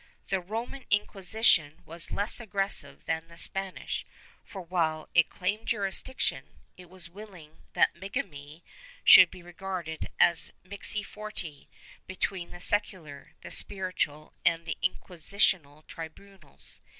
The Roman Inquisition was less aggressive than the Spanish for, while it claimed jurisdiction, it w^as willing that bigamy should be regarded as mixti fori between the secular, the spiritual and the inquisitorial tribimals.